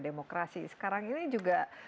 demokrasi sekarang ini juga